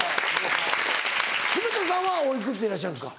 久米田さんはお幾つでいらっしゃるんですか？